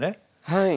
はい。